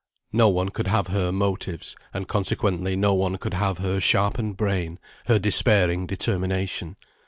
No one could have her motives; and consequently no one could have her sharpened brain, her despairing determination.